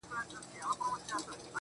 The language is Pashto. چي ځيني پيښي به را مينځته کيږي